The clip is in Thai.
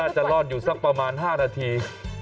จะรอดอยู่สักประมาณ๕นาที